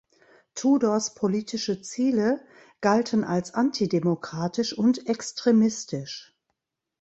Tudors politische Ziele galten als antidemokratisch und extremistisch.